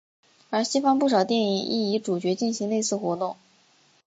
而西方不少电影亦以主角进行类似活动。